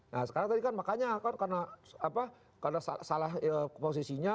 nah sekarang tadi kan makanya kan karena salah posisinya